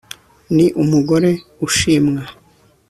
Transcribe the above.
Ni umugore ushimwa